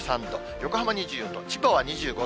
横浜２４度、千葉は２５度。